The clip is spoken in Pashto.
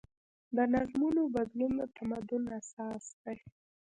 د نظمونو بدلون د تمدن اساس دی.